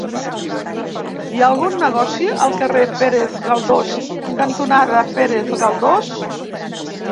Hi ha algun negoci al carrer Pérez Galdós cantonada Pérez Galdós?